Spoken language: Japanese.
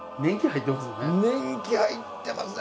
年季入ってますよね。